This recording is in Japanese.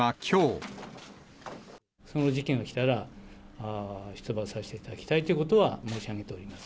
その時期が来たら、出馬をさせていただきたいということは申し上げております。